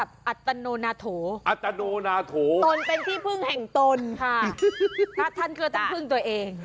ค่ะท่านก็ต้องพึ่งตัวเอง